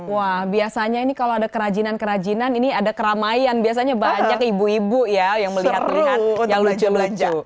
wah biasanya ini kalau ada kerajinan kerajinan ini ada keramaian biasanya banyak ibu ibu ya yang melihat yang lucu lucu